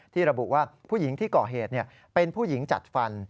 ระบุว่าผู้หญิงที่ก่อเหตุเป็นผู้หญิงจัดฟัน